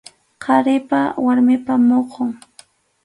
Qharipa warmipa muhun.